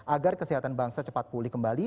agar kesehatan bangsa cepat pulih kembali